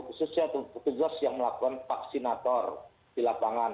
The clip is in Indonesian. khususnya petugas yang melakukan vaksinator di lapangan